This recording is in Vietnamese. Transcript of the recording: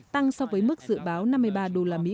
tăng so với mức dự báo năm mươi ba đô la mỹ